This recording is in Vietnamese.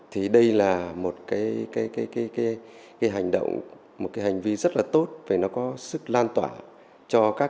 thì đây là một cái hành động một cái hành vi rất là tốt và nó có sức lan tỏa cho các